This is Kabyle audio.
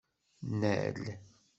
Nnal.